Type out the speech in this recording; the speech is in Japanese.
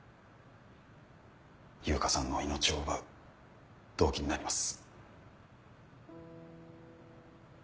悠香さんの命を奪う動機になります。